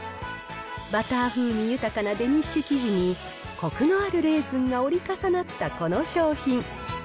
バター風味豊かなデニッシュ生地に、こくのあるレーズンが折り重なったこの商品。